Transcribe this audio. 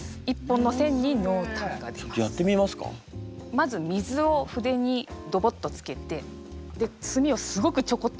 まず水を筆にドボッとつけてで墨をすごくちょこっとだけ。